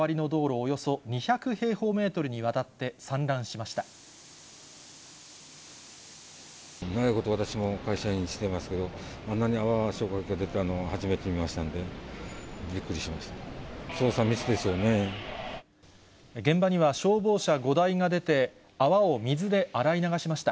およそ２００平方メートルにわたって散長いこと私も会社員してますけど、あんなに泡、消火剤が出ているのは初めて見ましたんで、びっくりしました。